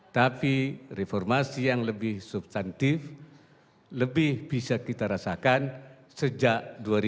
tapi reformasi yang lebih substantif lebih bisa kita rasakan sejak dua ribu dua